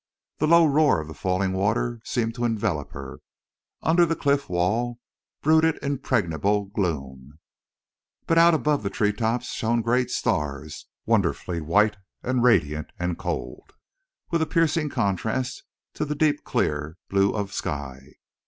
The low roar of the falling water seemed to envelop her. Under the cliff wall brooded impenetrable gloom. But out above the treetops shone great stars, wonderfully white and radiant and cold, with a piercing contrast to the deep clear blue of sky.